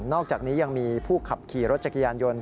อกจากนี้ยังมีผู้ขับขี่รถจักรยานยนต์